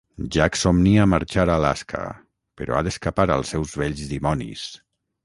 Jack somnia marxar a Alaska però ha d'escapar als seus vells dimonis.